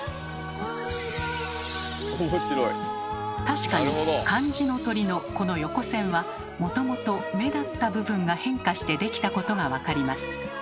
確かに漢字の「鳥」のこの横線はもともと目だった部分が変化して出来たことが分かります。